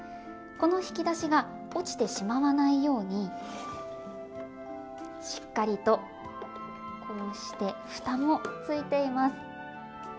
この引き出しが落ちてしまわないようにしっかりとこうして蓋もついています。